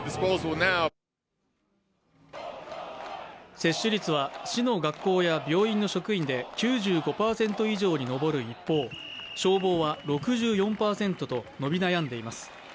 接種率は市の学校や病院の職員で９５％以上に上る一方消防は６４％と伸び悩んでいます。